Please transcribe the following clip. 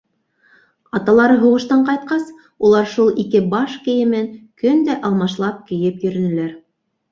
Аталары һуғыштан ҡайтҡас, улар шул ике баш кейемен көн дә алмашлап кейеп йөрөнөләр.